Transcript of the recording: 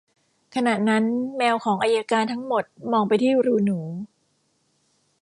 ขณะนั้น แมวของอัยการทั้งหมดมองไปที่รูหนู